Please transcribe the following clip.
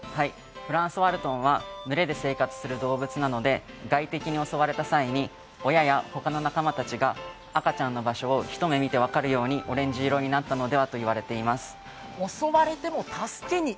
フランソワルトンは群れで生活する動物なので外敵に襲われた際に親や、ほかの仲間たちが赤ちゃんの場所をひと目見て、場所が分かるようにオレンジ色になったんじゃないかと言われいてます。